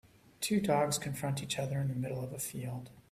Two dogs confront each other in the middle of a field